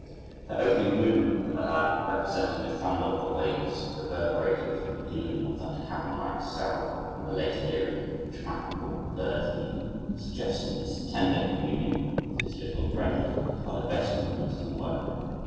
The opening movement of the ballade, representing the thunder of the waves reverberating through the gloom of that cavern like cell, and the later lyric, which might be called the bird theme, suggesting his tender communing with his little friend, are the best movements in the work.